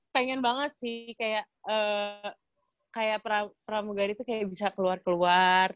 pengen banget sih kayak pramugari tuh kayak bisa keluar keluar